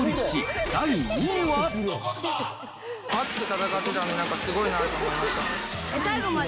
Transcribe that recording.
熱く戦ってたので、なんかすごいなと思いました。